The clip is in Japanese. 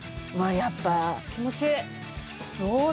やっぱ気持ちいい！